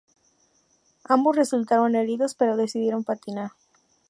Ambos resultaron heridos, pero decidieron patinar.